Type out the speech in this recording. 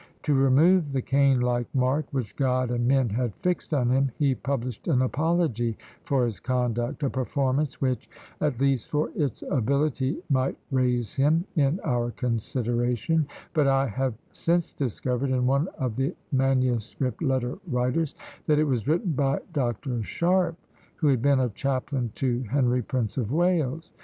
To remove the Cain like mark, which God and men had fixed on him, he published an apology for his conduct; a performance which, at least for its ability, might raise him in our consideration; but I have since discovered, in one of the manuscript letter writers, that it was written by Dr. Sharpe, who had been a chaplain to Henry Prince of Wales.